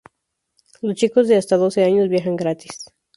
Los chicos de hasta doce años viajan gratis.